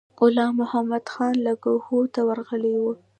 غلام محمدخان لکنهو ته ورغلی دی.